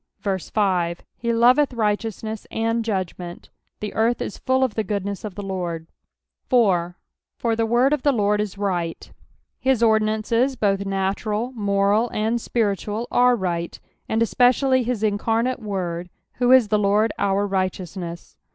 5 He loveth righteousness and judgment : the earth is full of the goodness of the Lord. 4, " For tit word of tht Lord w right." His ordinances both natural, moni, and spiritual, are right, and especially his incarnate Word, who is the Lord our righteousness.